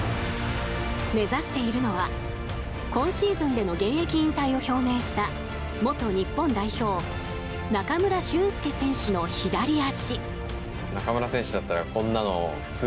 目指しているのは今シーズンでの現役引退を表明した元日本代表、中村俊輔選手の左足。